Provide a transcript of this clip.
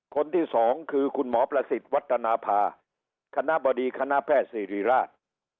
คนที่สองคือคุณหมอประสิทธิ์วัฒนภาคณะบดีคณะแพทย์ศิริราช